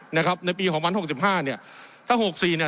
นะครับในปีสองพันหกสิบห้าเนี่ยถ้าหกสี่เนี่ย